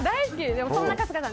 そんな春日さん